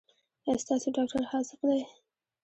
ایا ستاسو ډاکټر حاذق دی؟